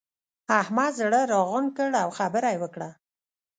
احمد زړه راغونډ کړ؛ او خبره يې وکړه.